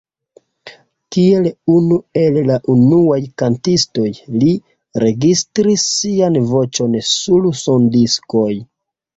Kiel unu el la unuaj kantistoj li registris sian voĉon sur sondiskoj.